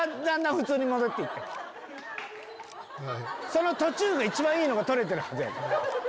その途中が一番いいのが撮れてるはずやから。